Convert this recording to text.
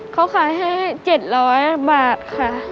เขาขายให้๗๐๐บาทค่ะ